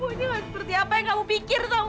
ini harus berarti apa yang kamu pikir dong